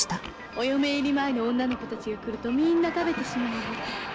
「お嫁入り前の女の子たちが来るとみんな食べてしまうの」。